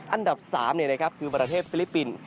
อันดับสามนี่นะครับคือประเทศฟิลิปปินส์